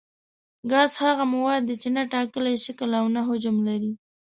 ګاز هغه مواد دي چې نه ټاکلی شکل او نه حجم لري.